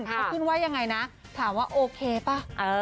แล้วคุณว่ายังไงนะถามว่าโอเคป่ะ